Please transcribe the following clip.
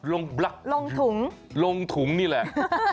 ลงถุงลงถุงนี่แหละ